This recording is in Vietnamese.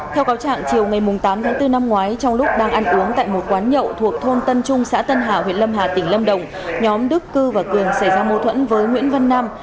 theo cáo trạng chiều ngày tám tháng bốn năm ngoái trong lúc đang ăn uống tại một quán nhậu thuộc thôn tân trung xã tân hà huyện lâm hà tỉnh lâm đồng nhóm đức cư và cường xảy ra mâu thuẫn với nguyễn văn nam